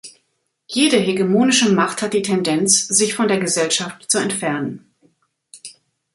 Jede hegemonische Macht hat die Tendenz, sich von der Gesellschaft zu entfernen.